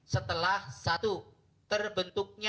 setelah satu terbentuknya